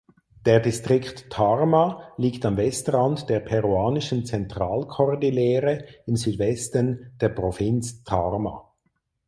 Der Distrikt Tarma liegt am Westrand der peruanischen Zentralkordillere im Südwesten der Provinz Tarma.